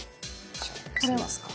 じゃあのせますか。